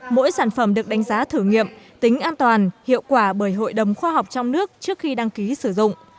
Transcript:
mỗi sản phẩm được đánh giá thử nghiệm tính an toàn hiệu quả bởi hội đồng khoa học trong nước trước khi đăng ký sử dụng